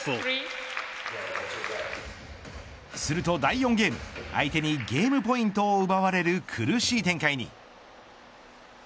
すると第４ゲーム相手にゲームポイントを奪われる苦しい展開に。